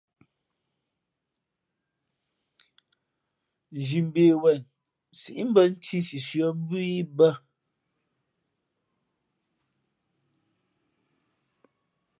Nzhi mbe wen síʼmbᾱ nthī sʉsʉά mbú ī bᾱ.